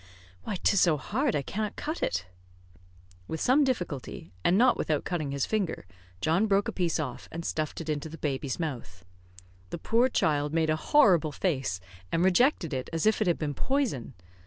"Why, 'tis so hard, I cannot cut it." With some difficulty, and not without cutting his finger, John broke a piece off, and stuffed it into the baby's mouth. The poor child made a horrible face, and rejected it as if it had been poison.